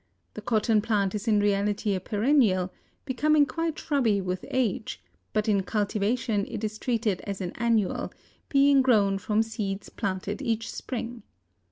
The cotton plant is in reality a perennial, becoming quite shrubby with age, but in cultivation it is treated as an annual, being grown from seeds planted each spring.